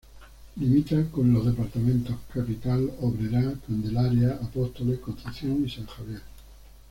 Limita con los departamentos Capital, Oberá, Candelaria, Apóstoles, Concepción y San Javier.